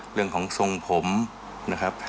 เรื่องของทรงผมนะครับ